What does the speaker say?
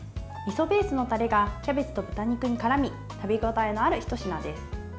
みそベースのタレがキャベツと豚肉にからみ食べ応えのあるひと品です。